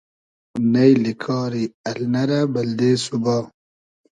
نݷلی کاری النۂ رۂ بئلدې سوبا